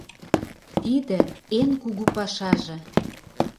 Тиде — эн кугу пашаже.